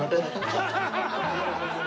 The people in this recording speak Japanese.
ハハハハ！